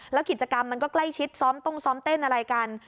แล้วกิจกรรมมันก็ใกล้ชิดซ้อมตรงซ้อมเต้นอะไรกัน